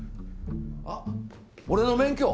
あっ俺の免許。